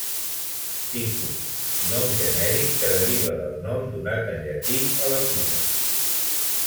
Ficus: nom genèric que deriva del nom donat en llatí a la figa.